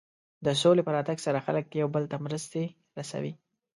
د سولې په راتګ سره خلک یو بل ته مرستې رسوي.